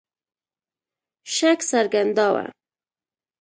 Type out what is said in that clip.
شک څرګنداوه.